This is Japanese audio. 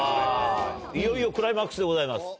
いよいよクライマックスでございます。